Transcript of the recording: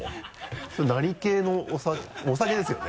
それ何系のお酒お酒ですよね？